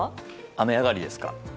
雨上がりですか。